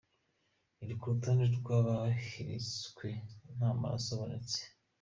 Ari ku rutonde rw’abahiritswe nta maraso amenetse.